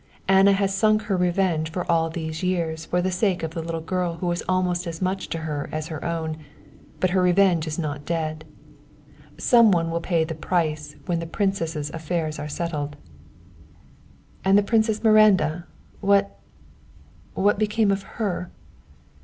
Anna has sunk her revenge for all these years for the sake of the little girl who was almost as much to her as her own, but her revenge is not dead; some one will pay the price when the princess's affairs are settled." "And the Princess Miranda, what what became of her?"